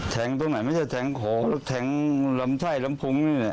แท้งตรงไหนไม่ใช่แท้งโขแท้งลำไท่ลำพุ้งนี่เนี่ย